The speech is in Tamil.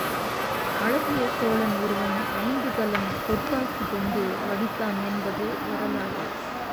அழகிய சோழன் ஒருவன் ஐந்து கலம் பொற்காக கொண்டு வடித்தான் என்பது வரலாறு.